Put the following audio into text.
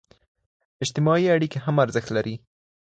اجتماعي اړيکي هم ارزښت لري.